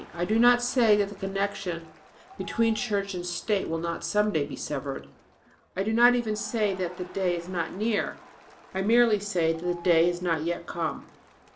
I do not say that the connection between church and state will not some day be severed; I do not even say that that day is not near. I merely say that the day has not yet come."